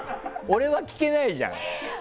俺は聞けないじゃん。